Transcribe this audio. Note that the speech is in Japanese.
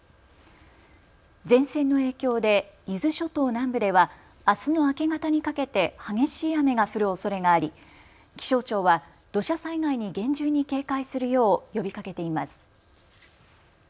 前線の影響で伊豆諸島南部ではあすの明け方にかけて激しい雨が降るおそれがあり気象庁は土砂災害に厳重に警戒するよう呼びかけています。